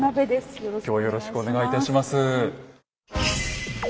今日はよろしくお願いいたします。